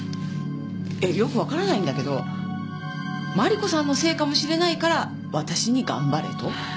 えっよくわからないんだけどマリコさんのせいかもしれないから私に頑張れと？